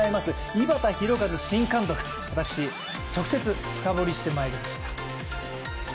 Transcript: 井端弘和新監督、私直接、深掘りしてまいりました。